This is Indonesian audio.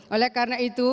oleh karena itu